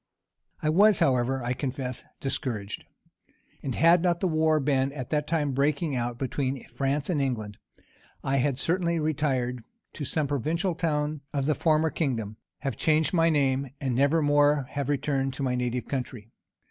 I was, however, I confess, discouraged; and had not the war been at that time breaking out between France and England, I had certainly retired to some provincial town of the former kingdom, have changed my name, and never more have returned to my native country.